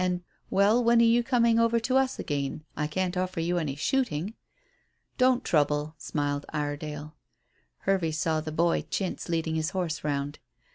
And well, when are you coming over to us again? I can't offer you any shooting." "Don't trouble," smiled Iredale. Hervey saw the "boy" Chintz leading his horse round.